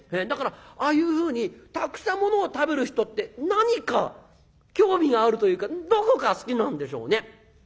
だからああいうふうにたくさんものを食べる人って何か興味があるというかどこか好きなんでしょうね。